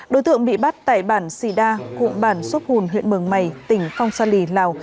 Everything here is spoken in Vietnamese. đối tượng bị bắt tại bản sida cụm bản sốp hùn huyện mường mày tỉnh phong sa lì lào